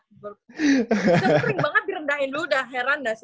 kering banget direndahin lu dah heran dah sita